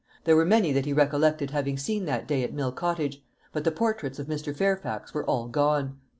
There were many that he recollected having seen that day at Mill Cottage, but the portraits of Mr. Fairfax were all gone.